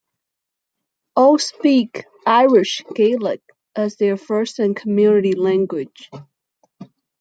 All speak Irish Gaelic as their first and community language.